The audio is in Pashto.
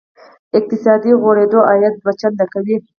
اقتصادي غوړېدا عاید دوه چنده کوي.